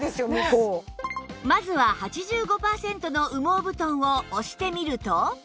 まずは８５パーセントの羽毛布団を押してみると